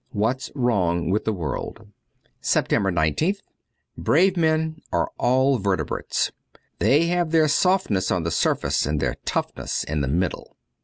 ' What's Wrong with the World. ' 991 u 2 SEPTEMBER 19th BRAVE men are all vertebrates : they have their softness on the surface and their toughness in the middle.